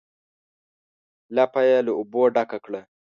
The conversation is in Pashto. لپه یې له اوبو ډکه کړه.